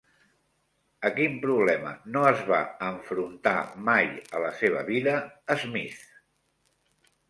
A quin problema no es va enfrontar mai a la seva vida Smith?